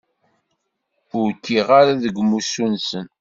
Ur kkiɣ ara deg umussu-nsen!